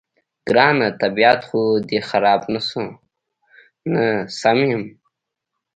ګرانه، طبیعت خو دې خراب نه شو؟ نه، سم یم.